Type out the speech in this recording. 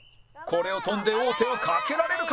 これを跳んで王手をかけられるか？